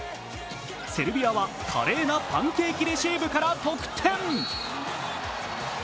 セルビアは華麗なパンケーキレシーブから得点。